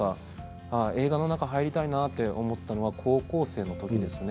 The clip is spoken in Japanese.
映画の中に入りたいなと思ったのは高校生の時ですね。